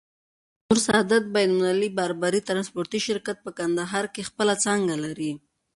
نور سادات بين المللی باربری ترانسپورټي شرکت، په کندهار کي خپله څانګه لری.